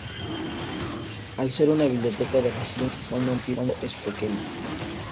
Al ser una biblioteca de reciente creación, su fondo antiguo es pequeño.